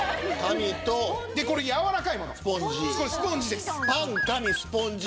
これやわらかいものスポンジです。